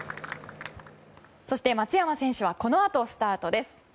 そして松山選手はこのあとスタートです。